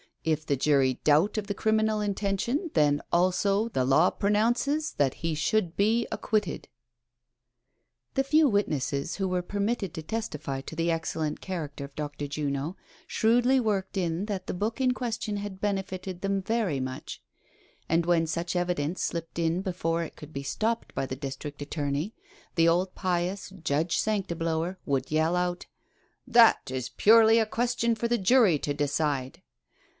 If the jury doubt of the criminal intention, then, also, the law pronounces that he should be ac quitted." The few witnesses who were permitted to testify to the excellent character of Dr. Juno, shrewdly worked in that the book in question had benefited them mry much ; and when such evidence slipped in before it could be stopped by the district attorney, the old pious Judge Sanctiblower would yell out :" That is purely a question for the jury to decide."